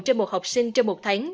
trên một học sinh trên một tháng